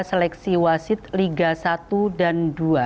seleksi wasit liga satu dan dua